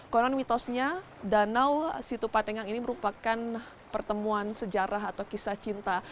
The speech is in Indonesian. konon mitosnya danau situpatengang ini merupakan pertemuan sejarah atau kisah cinta